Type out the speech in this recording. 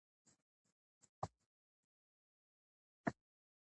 د اوبو کمښت د ښووني، کرهڼې او صنعت مخه نیسي.